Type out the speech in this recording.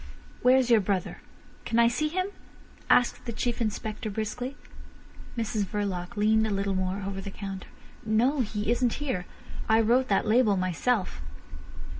"Where's your brother? Can I see him?" asked the Chief Inspector briskly. Mrs Verloc leaned a little more over the counter. "No. He isn't here. I wrote that label myself."